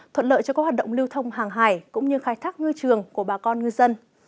thuận lợi cho các hoạt động lưu thông hàng hải cũng như khai thác ngư trường của bà con ngư dân